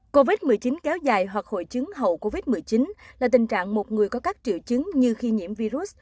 covid một mươi chín kéo dài hoặc hội chứng hậu covid một mươi chín là tình trạng một người có các triệu chứng như khi nhiễm virus